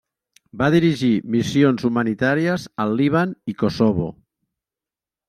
Va dirigir missions humanitàries al Líban i Kosovo.